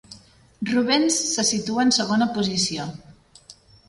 Rubens se situa en segona posició.